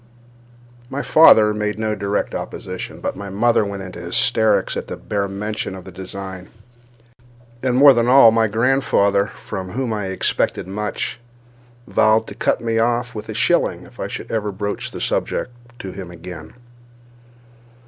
My father made no direct opposition; but my mother went into hysterics at the bare mention of the design; and, more than all, my grandfather, from whom I expected much, vowed to cut me off with a shilling if I should ever broach the subject to him again.